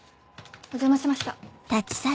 お邪魔しました。